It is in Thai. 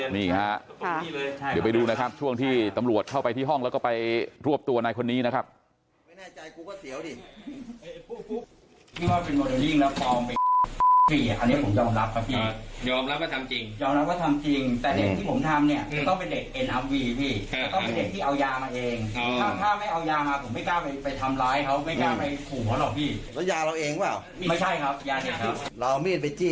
นี่ฮะเดี๋ยวไปดูนะครับช่วงที่ตำรวจเข้าไปที่ห้องแล้วก็ไปรวบตัวนายคนนี้นะครับ